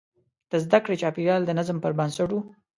د زده کړې چاپېریال د نظم پر بنسټ و.